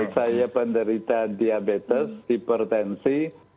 saya penderita diabetes hipertensi